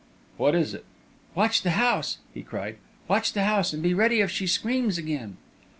"What is it?" "Watch the house!" he cried. "Watch the house! And be ready if she screams again."